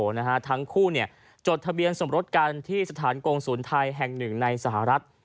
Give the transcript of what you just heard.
บทที่ทุกทางคู่จดทะเบียนสมรสกันที่สถานกงศูนย์ไทยแห่ง๑ในสหรัฐ